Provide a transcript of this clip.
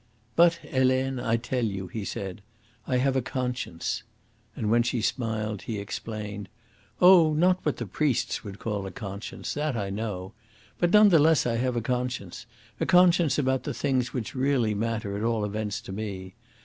"But Helene, I tell you," he said, "I have a conscience." And when she smiled he explained. "Oh, not what the priests would call a conscience; that I know. But none the less I have a conscience a conscience about the things which really matter, at all events to me.